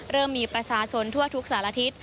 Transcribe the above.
เริ่มมีประชาชนทั่วทุกสารทิศ